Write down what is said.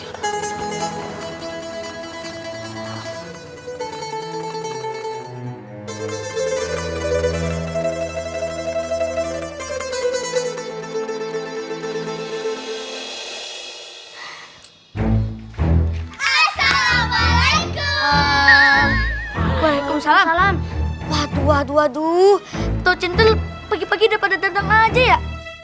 assalamualaikum waalaikumsalam waduh waduh waduh toh cintel pagi pagi dapat datang aja ya